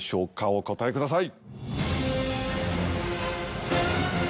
お答えください。